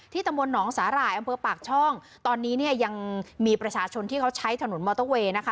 ตำบลหนองสาหร่ายอำเภอปากช่องตอนนี้เนี่ยยังมีประชาชนที่เขาใช้ถนนมอเตอร์เวย์นะคะ